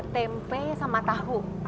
tempe sama tahu